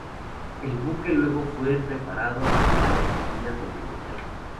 El buque luego fue reparado en la Argentina continental.